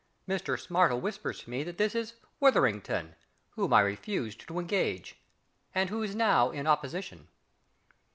Mister SMARTLE whispers to me that this is WITHERINGTON, whom I refused to engage, and who is now in opposition.